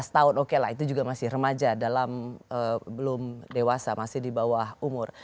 lima belas tahun oke lah itu juga masih remaja dalam belum dewasa masih di bawah umur